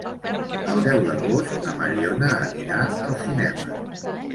El deu d'agost na Mariona anirà al cinema.